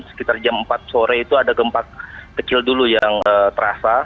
sekitar jam empat sore itu ada gempa kecil dulu yang terasa